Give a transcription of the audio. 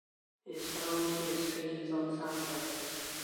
It is found near streams on sandplains.